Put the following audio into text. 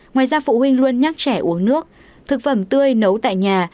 ngoài ra phụ huynh luôn nhắc trẻ uống nước thực phẩm tươi nấu tại nhà